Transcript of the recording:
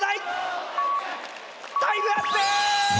タイムアップ！